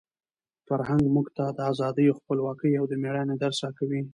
فرهنګ موږ ته د ازادۍ، خپلواکۍ او د مېړانې درس راکوي.